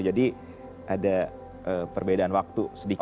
jadi ada perbedaan waktu sedikit